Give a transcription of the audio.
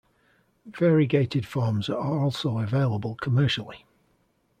Variegated forms are also available commercially.